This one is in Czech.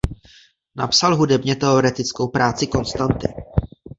Napsal hudebně teoretickou práci Konstanty.